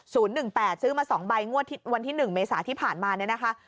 ซื้อมา๒ใบงวดวันที่๑เมษาที่ผ่านมานี่นะคะ